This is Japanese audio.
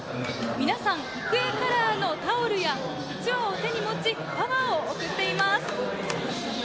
皆さん、育英カラーのタオルやうちわを手に持ちパワーを送っています。